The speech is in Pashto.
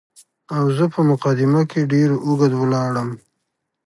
او زه په مقدمه کې ډېر اوږد ولاړم.